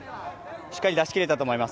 しっかり出し切れたと思います。